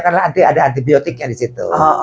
karena ada antibiotiknya di situ